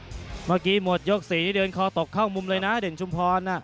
เมื่อกี้หมดยก๔เดินคอตกเข้ามุมเลยนะเด่นชุมพร